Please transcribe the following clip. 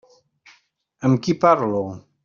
Amb qui parlo?